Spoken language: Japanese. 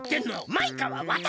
マイカはわたし！